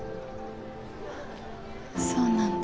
そうなんだ。